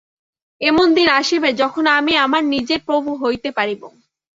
এমন দিন আসিবে, যখন আমি আমার নিজের প্রভু হইতে পারিব।